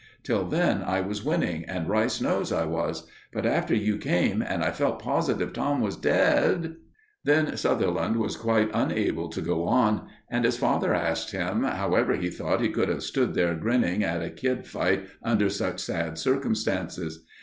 Till then I was winning, and Rice knows I was; but after you came and I felt positive Tom was dead " Then Sutherland was quite unable to go on, and his father asked him however he thought he could have stood there grinning at a kid fight under such sad circumstances.